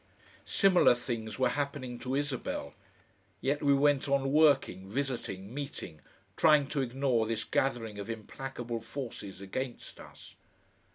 Similar things were happening to Isabel. Yet we went on working, visiting, meeting, trying to ignore this gathering of implacable forces against us.